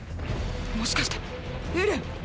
もしかしてエレン？